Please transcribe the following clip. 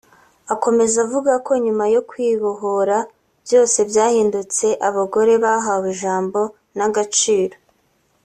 Akomeza avuga ko nyuma yo kwibohora byose byahindutse abagore bahawe ijambo n’agaciro